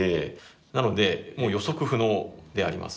なのでもう予測不能であります。